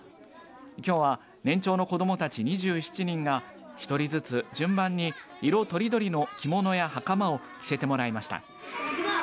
きょうは年長の子どもたち２７人が１人ずつ順番に色とりどりの着物やはかまを着せてもらいました。